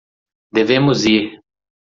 Devemos ir